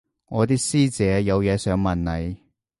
我啲師姐有嘢想問你